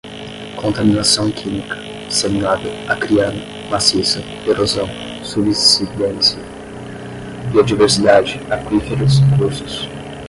contaminação química, disseminada, acriana, maciça, erosão, subsidência, biodiversidade, aquíferos, cursos